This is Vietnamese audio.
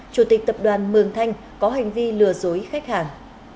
chủ tịch tập đoàn mường thanh có hành vi lừa dối khách hàng